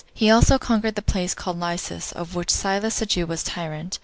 He also conquered the place called Lysias, of which Silas a Jew was tyrant.